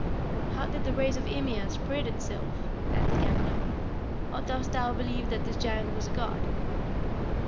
'" "How did the race of Ymir spread itself?" asked Gangler; "or dost thou believe that this giant was a god?"